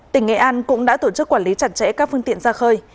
tỉnh nghệ an cũng đã tổ chức quản lý chặt chẽ các phương tiện ra khơi